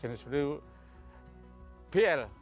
jenis tebu bl